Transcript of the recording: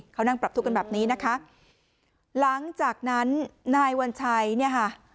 เขานั่งปรับทุกข์กันแบบนี้นะคะหลังจากนั้นนายวัญชัยเนี่ยค่ะ